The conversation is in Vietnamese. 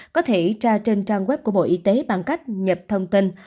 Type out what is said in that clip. có thể tra trên trang web của bộ y tế bằng cách nhập thông tin